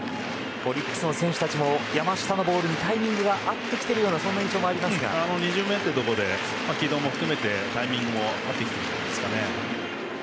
オリックスの選手たちも山下のボールにタイミングが合ってきているような２巡目なので軌道も含めタイミングも合ってきてるんじゃないですかね。